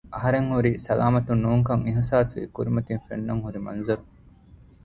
އަހަރެން ހުރީ ސަލާމަތުން ނޫންކަން އިހުސާސްވީ ކުރިމަތިން ފެންނަން ހުރި މަންޒަރުން